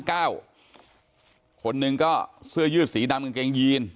คนหนึ่งก็เสื้อยืดสีดำกางเกงยีน